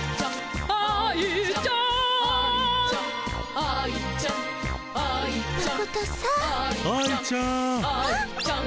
愛ちゃん。